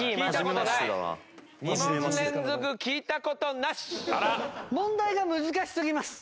２問連続聞いた事なし。